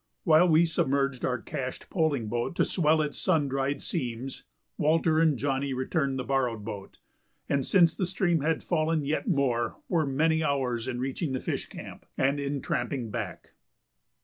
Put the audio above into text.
While we submerged our cached poling boat to swell its sun dried seams, Walter and Johnny returned the borrowed boat, and, since the stream had fallen yet more, were many hours in reaching the fish camp and in tramping back.